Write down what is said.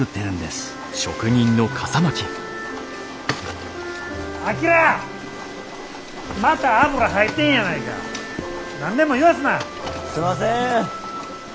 すんません。